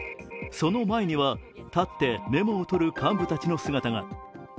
その前には立ってメモを取る幹部たちの姿が。